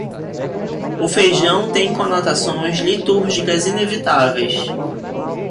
O feijão tem conotações litúrgicas inevitáveis.